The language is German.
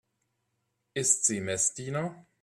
Ist sie Messdiener?